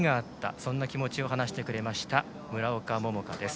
そんな気持ちを話してくれました村岡桃佳です。